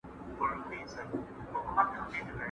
¬ پير که خس دئ، د مريد بس دئ.